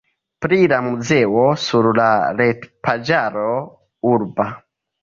Pri la muzeo sur la retpaĝaro urba.